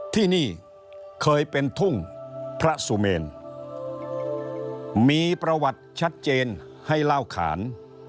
ที่นี่เคยเป็นทุ่งพระสุเมนมีประวัติชัดเจนให้เล่าขาน